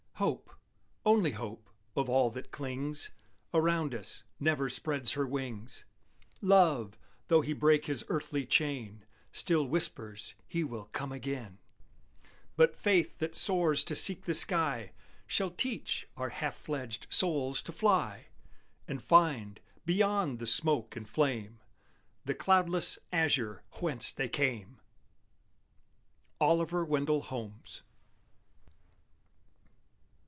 Hope, only Hope, of all that clings Around us, never spreads her wings; Love, though he break his earthly chain, Still whispers he will come again; But Faith that soars to seek the sky Shall teach our half fledged souls to fly, And find, beyond the smoke and flame, The cloudless azure whence they came! OLIVER WENDELL HOLMES.